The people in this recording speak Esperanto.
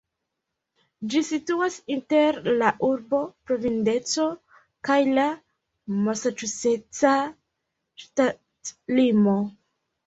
Ĝi situas inter la urbo Providenco kaj la masaĉuseca ŝtatlimo.